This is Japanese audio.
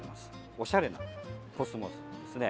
おしゃれなコスモスですね。